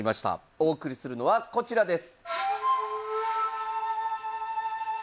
お送りするのはこちらです。